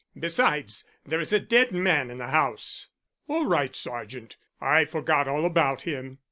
Besides, there is a dead man in the house." "All right, sergeant, I forgot all about him."